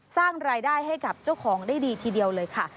สร้างรายได้ให้กับเจ้าของได้ดีทีเดียวเลยค่ะ